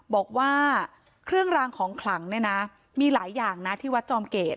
บอกว่าเครื่องรางของขลังเนี่ยนะมีหลายอย่างนะที่วัดจอมเกต